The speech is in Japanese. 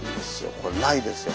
これないですよ。